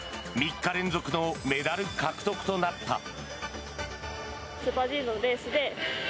３日連続のメダル獲得となった。